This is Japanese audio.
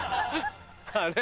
あれ？